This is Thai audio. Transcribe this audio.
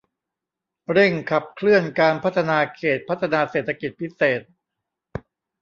เร่งขับเคลื่อนการพัฒนาเขตพัฒนาเศรษฐกิจพิเศษ